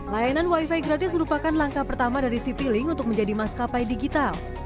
layanan wifi gratis merupakan langkah pertama dari citylink untuk menjadi maskapai digital